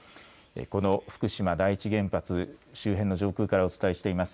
この福島第一原発周辺の上空からお伝えしています。